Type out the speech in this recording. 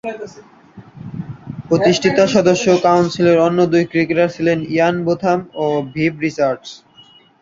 প্রতিষ্ঠাতা সদস্য কাউন্সিলের অন্য দুই ক্রিকেটার ছিলেন ইয়ান বোথাম এবং ভিভ রিচার্ডস।